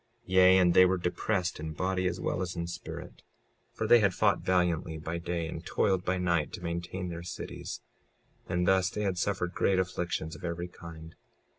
56:16 Yea, and they were depressed in body as well as in spirit, for they had fought valiantly by day and toiled by night to maintain their cities; and thus they had suffered great afflictions of every kind.